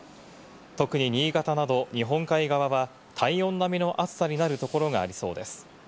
特に新潟など日本海側は体温並みの暑さになるところがありそうです。